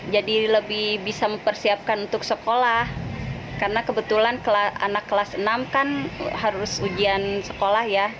jadi lebih bisa mempersiapkan untuk sekolah karena kebetulan anak kelas enam kan harus ujian sekolah ya